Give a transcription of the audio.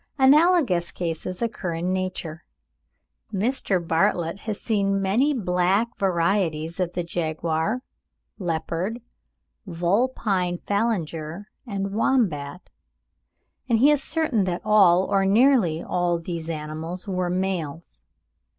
Analogous cases occur in nature: Mr. Bartlett has seen many black varieties of the jaguar, leopard, vulpine phalanger, and wombat; and he is certain that all, or nearly all these animals, were males.